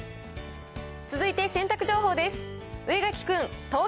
続いて洗濯情報です。